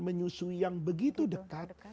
menyusui yang begitu dekat